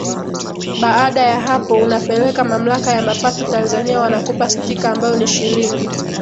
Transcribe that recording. baada ya hapo unapeleka mamlaka ya mapato Tanzania wanakupa stika ambayo ni shilingi